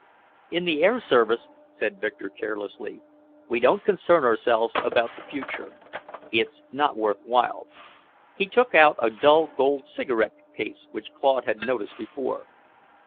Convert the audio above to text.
"In the air service," said Victor carelessly, "we don't concern ourselves about the future. It's not worth while." He took out a dull gold cigarette case which Claude had noticed before.